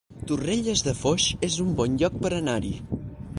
Torrelles de Foix es un bon lloc per anar-hi